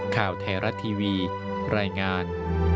ข่าวแทระทีวีรายงาน